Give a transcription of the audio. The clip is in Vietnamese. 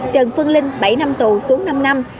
trần phương linh bảy năm tù xuống năm năm